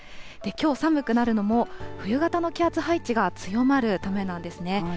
きょう、寒くなるのも冬型の気圧配置が強まるためなんですね。